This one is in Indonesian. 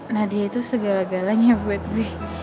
nadia itu segala galanya buat gue